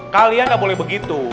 kalian gak boleh begitu